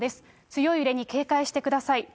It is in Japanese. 強い揺れに警戒してください。